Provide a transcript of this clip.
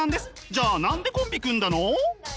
じゃあ何でコンビ組んだの？